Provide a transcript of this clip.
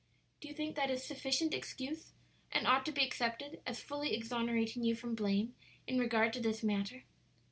"Do you think that is sufficient excuse, and ought to be accepted as fully exonerating you from blame in regard to this matter?"